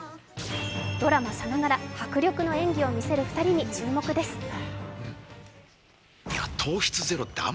ドラマさながら迫力の演技を見せる２人に注目です。